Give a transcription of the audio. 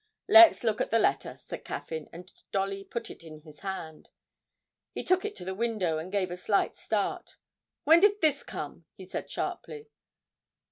'Let's look at the letter,' said Caffyn; and Dolly put it in his hand. He took it to the window, and gave a slight start. 'When did this come?' he said sharply.